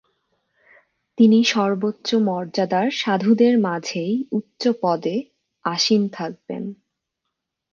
তিনি "সর্বোচ্চ মর্যাদার সাধুদের মাঝেই উচ্চ পদে" আসীন থাকবেন।